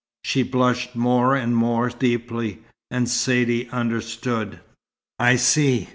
She blushed more and more deeply, and Saidee understood. "I see!